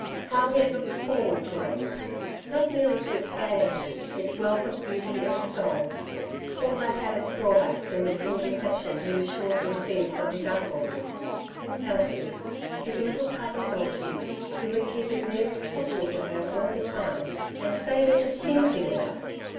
How he had looked forward to it — not merely to its gaiety, its wealth of beauty and of song ; all that had its drawbacks in the cool reception he was sure to receive from his uncle; but Elsie, his little cousin Elsie, he would keep as near as possible to her all the time, and they were to sing together